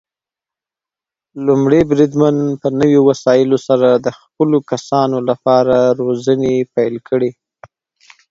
لومړی بریدمن په نوي وسايلو سره د خپلو کسانو لپاره روزنې پيل کړي.